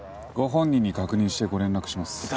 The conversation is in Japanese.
ご本人に確認してご連絡します。